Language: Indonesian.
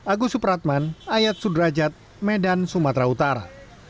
agus supratman ayat sudrajat medan sumatera utara